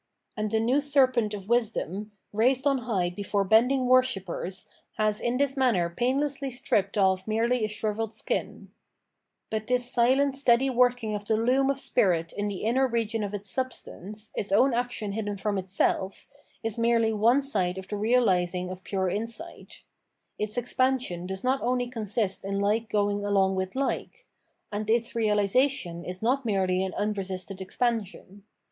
And the new serpent of wisdom, raised on high before bending worshippers, has in this manner painlessly stripped off merely a shrivebed skin. But this silent steady working of the loom of spirit in the inner region of its substance, t its own action Rameau's Neffe. t In the life of " feeling and emotion/' 554 Phenomenology of Mind hidden from itself, is merely one side of the realising of pure insight. Its expansion does not only consist in like going along with like ; and its reahsation is not merely an unresisted expansion.